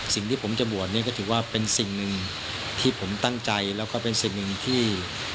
สิ่งที่ผมจะบวชนี่ก็ถือว่าเป็นสิ่งหนึ่งที่ผมตั้งใจแล้วก็เป็นสิ่งหนึ่งที่